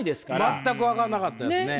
全く分かんなかったですね。